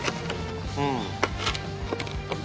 うん。